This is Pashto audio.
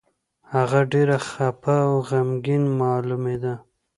هغه ډېر خپه او غمګين مالومېده.